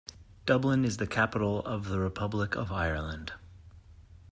Dublin is the capital of the Republic of Ireland.